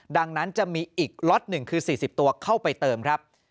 ดังนั้นจะมีอีกล็อตหนึ่งคือ๔๐ตัวเข้าไปเติมครับ